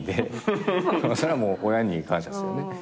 それはもう親に感謝っすよね。